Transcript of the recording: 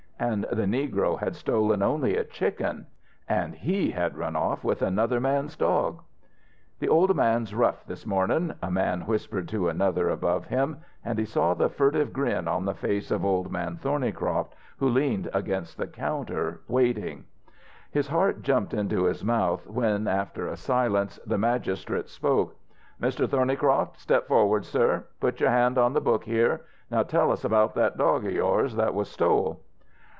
And the negro had stolen only a chicken and he had run off with another man's dog! "The old man's rough this mornin'," a man whispered to another above him; and he saw the furtive grin on the face of Old Man Thornycroft, who leaned against the counter, waiting. His heart jumped into his mouth when after a silence the magistrate spoke: "Mr. Thornycroft, step forward, sir. Put your hand on the book here. Now tell us about that dog of yours that was stole."